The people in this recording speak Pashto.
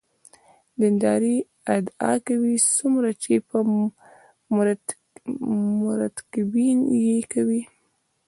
دیندارۍ ادعا کوي څومره چې مرتکبین یې کوي.